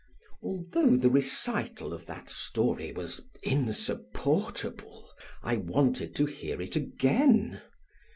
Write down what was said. Although the recital of that story was insupportable, I wanted to hear it again.